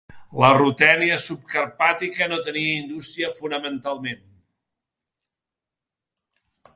La Rutènia subcarpàtica no tenia indústria fonamentalment.